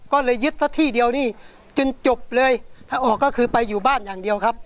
ก็เลยยึดซะที่เดียวนี่จนจบเลยถ้าออกก็คือไปอยู่บ้านอย่างเดียวครับ